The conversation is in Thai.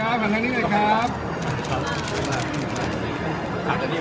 ตอบมาเฉพาะครั้งเมื่อในแรงออกไว้ข้างรถ